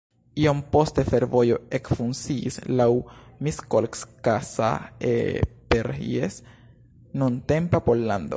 Iom poste fervojo ekfunkciis laŭ Miskolc-Kassa-Eperjes-nuntempa Pollando.